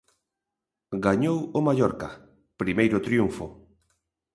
Gañou o Mallorca, primeiro triunfo.